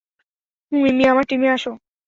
মিমি, আমার টিমে আসো।